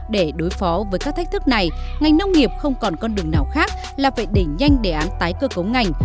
để đối phó với các thách thức này ngành nông nghiệp không còn con đường nào khác là phải đẩy nhanh đề án tái cơ cấu ngành